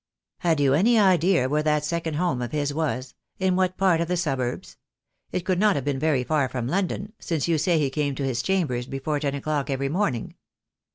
"Had you any idea where that second home of his was — in what part of the suburbs? It could not have been very far from London, since you say he came to his chambers before ten o'clock every morning."